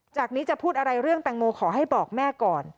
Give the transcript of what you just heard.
จากนี้จะพูดอะไรเรื่องแตงโมขอให้บอกแม่ก่อน